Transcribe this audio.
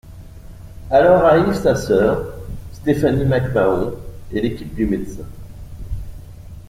Arrive alors sa sœur, Stephanie McMahon, et l'équipe de médecin.